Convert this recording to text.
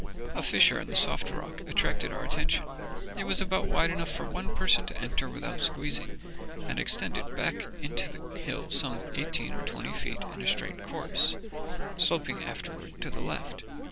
A fissure in the soft rock attracted our attention. It was about wide enough for one person to enter without squeezing, and extended back into the hill some eighteen or twenty feet in a straight course, sloping afterward to the left.